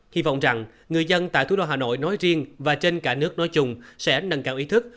hy vọng rằng người dân tại thủ đô hà nội nói riêng và trên cả nước nói chung sẽ nâng cao ý thức